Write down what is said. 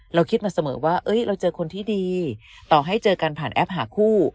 เราคิดมาเสมอว่าเราเจอคนที่ดีต่อให้เจอกันผ่านแอปหาคู่